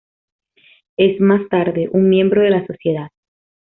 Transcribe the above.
Es más tarde, un miembro de La Sociedad.